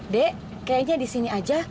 dek kayaknya disini aja